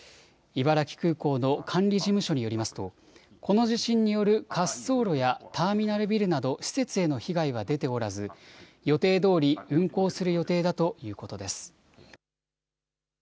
茨城空港の管理事務所によりますとこの地震による滑走路やターミナルビルなど施設への被害は出ておらず予定どおり運航する予定だということです。